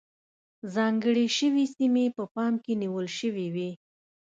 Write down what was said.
ځانګړې شوې سیمې په پام کې نیول شوې وې.